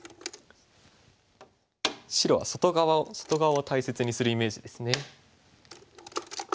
白は外側を外側を大切にするイメージですね。